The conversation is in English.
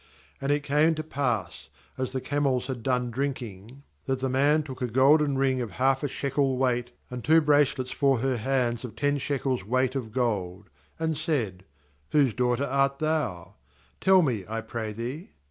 ^And it came to pass, as the camels had done drinking, that the man took a golden ring of half a shekel weight, and two bracelets for her hands of ten shekels weight of gold; ^and said: 'Whose daughter art thou? tell me, I pray thee.